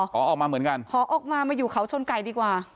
ขอออกมาเหมือนกันขอออกมามาอยู่เขาชนไก่ดีกว่า